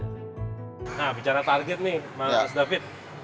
nah bicara target nih mas david